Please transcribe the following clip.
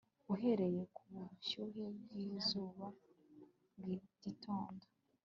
uhereye kubushyuhe bwizuba bwigitondo